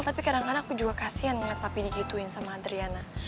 tapi kadang kadang aku juga kasian banget tapi digituin sama adriana